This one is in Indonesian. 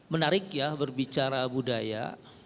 menarik ya berbicara budaya